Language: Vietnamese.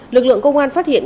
lực lượng công an phát hiện